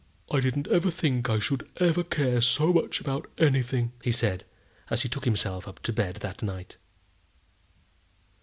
"I didn't ever think I should ever care so much about anything," he said, as he took himself up to bed that night.